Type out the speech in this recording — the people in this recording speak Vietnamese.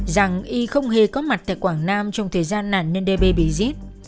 rằng y không hề có mặt tại quảng nam trong thời gian nạn nhân đê bê bị giết